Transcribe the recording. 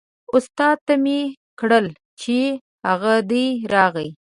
استاد ته مې کړل چې هغه دی راغی.